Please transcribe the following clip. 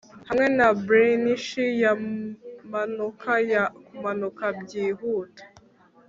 Hamwe na brinish yamanuka kumanuka byihuta